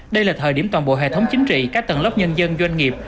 đây là thời điểm toàn bộ hệ thống chính trị các tầng lớp nhân dân doanh nghiệp